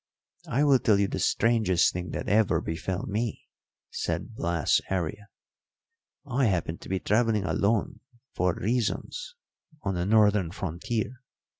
"I will tell you the strangest thing that ever befell me," said Blas Aria. "I happened to be travelling alone for reasons on the northern frontier.